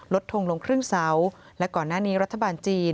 ทงลงครึ่งเสาและก่อนหน้านี้รัฐบาลจีน